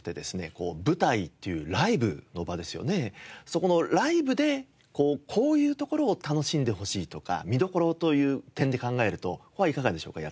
そこのライブでこういうところを楽しんでほしいとか見どころという点で考えるといかがでしょうか？